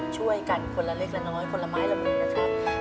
ช่วยกันคนละเล็กละน้อยคนละไม้ละมือนะครับ